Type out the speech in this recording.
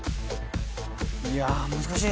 いや難しい。